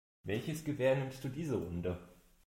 Welches Gewehr nimmst du diese Runde?